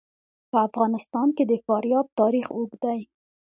په افغانستان کې د فاریاب تاریخ اوږد دی.